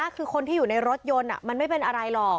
คือคนที่อยู่ในรถยนต์มันไม่เป็นอะไรหรอก